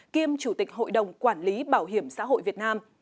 kiêm chủ tịch hội đồng quản lý bảo hiểm xã hội việt nam